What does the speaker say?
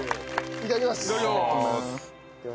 いただきます。